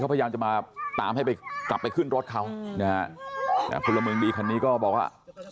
พยายามจะมาตามให้ไปกลับไปขึ้นรถเขานะฮะพลเมืองดีคันนี้ก็บอกว่า